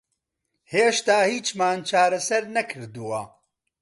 هێشتا هیچمان چارەسەر نەکردووە.